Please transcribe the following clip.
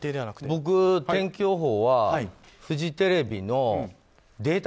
僕、天気予報はフジテレビのデータ